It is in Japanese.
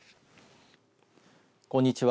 こんにちは。